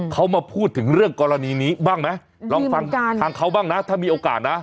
เขามาพูดถึงเรื่องกรณีนี้บ้างไหมลองฟังทางเขาบ้างนะถ้ามีโอกาสนะ